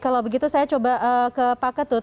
kalau begitu saya coba ke pak ketut